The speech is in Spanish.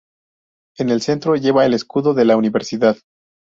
En el centro lleva el escudo de la Universidad.